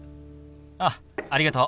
あっありがとう。